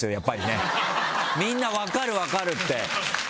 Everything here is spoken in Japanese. みんな「分かる分かる」って。